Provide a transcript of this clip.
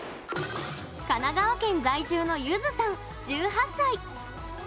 神奈川県在住のゆずさん１８歳。